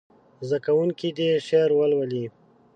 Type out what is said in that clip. زده کوونکي دې شعر ولولي.